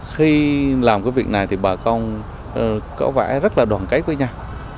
khi làm cái việc này thì bà con có vẻ rất là đoàn kết với nhau